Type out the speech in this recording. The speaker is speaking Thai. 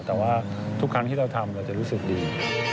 แต่ว่าทุกครั้งที่เราทำเราจะรู้สึกดี